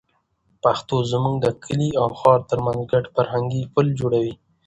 پښتو زموږ د کلي او ښار تر منځ ګډ فرهنګي پُل جوړوي.